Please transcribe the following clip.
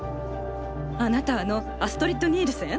あなたあのアストリッド・ニールセン？